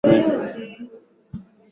Mkoloni alikuja kwetu akaleta mazuri